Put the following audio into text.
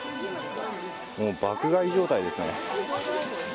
もう爆買い状態ですね。